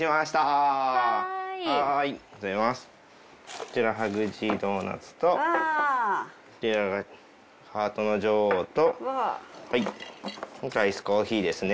こちらハグジードーナツとこちらがハートの女王とアイスコーヒーですね。